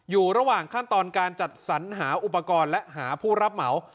อยู่ระหว่างขั้นตอนการจัดสรรหาอุปกรณ์และหาผู้รับเหมา